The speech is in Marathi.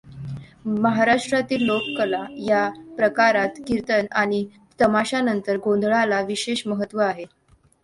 महाराष्ट्रातील लोककला या प्रकारात किर्तन आणि तमाशानंतर गोंधळाला विशेष महत्त्व आहे.